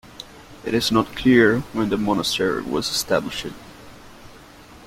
It is not clear when the monastery was established.